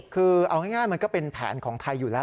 คือเอาง่ายมันก็เป็นแผนของไทยอยู่แล้ว